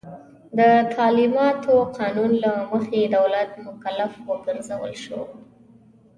د تعلیماتو قانون له مخې دولت مکلف وګرځول شو.